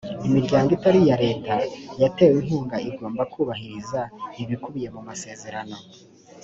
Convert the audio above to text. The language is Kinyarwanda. imiryango itari iya leta yatewe inkunga igomba kubahiriza ibikubiye mu masezerano